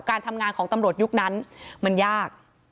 การทำงานของตำรวจยุคนั้นมันยาก